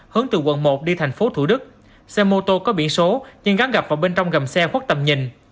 hướng từ quận một đi tp thủ đức xe mô tô có biển số nhưng gắn gặp vào bên trong gầm xe khuất tầm nhìn